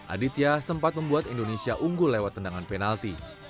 aditya sempat membuat indonesia unggul lewat tendangan penalti